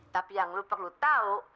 tapi yang lo perlu tau